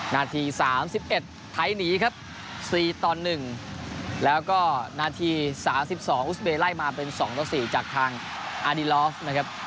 นาที๓๑ไทยหนีครับ๔ต่อ๑แล้วก็นาที๓๒อุสเบย์ไล่มาเป็น๒ต่อ๔จากทางอาร์ดีลอฟนะครับ